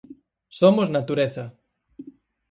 Somos natureza.